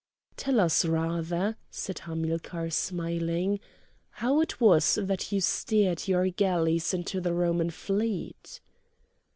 "Tell us rather," said Hamilcar, smiling, "how it was that you steered your galleys into the Roman fleet?"